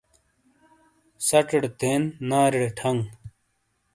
سَچے تَین، نارِیڑے ٹھانگ۔